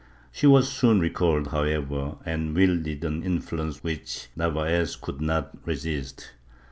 She was soon recalled, however, and wielded an influence which Narvaez could not resist.